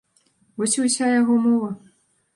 Вось і ўся яго мова.